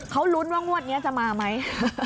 เขาลุ้นว่างวดนี้จะมาไหม